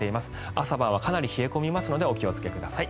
朝晩はかなり冷え込みますのでお気をつけください。